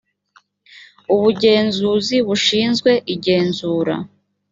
ubugenzuzi bushinzwe igenzura